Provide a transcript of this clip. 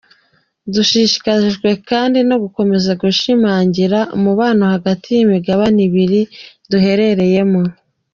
Dushishikajwe kandi no gukomeza gushimangira umubano hagati y’imigabane ibiri duherereho.”